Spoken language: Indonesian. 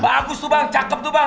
bagus tuh bang cakep tuh bang